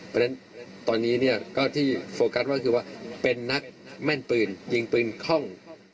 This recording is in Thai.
เพราะฉะนั้นตอนนี้เนี่ยก็ที่โฟกัสก็คือว่าเป็นนักแม่นปืนยิงปืนคล่อง